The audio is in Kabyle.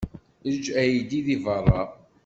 Eǧǧ aydi deg beṛṛa.